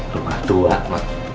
rumah tua emak